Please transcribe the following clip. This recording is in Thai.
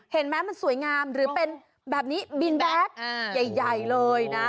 เห็นไหมมันสวยงามหรือเป็นแบบนี้บินแบ็คใหญ่เลยนะ